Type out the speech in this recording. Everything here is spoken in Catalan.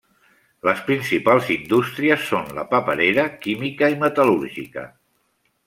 Les principals indústries són la paperera, química i metal·lúrgica.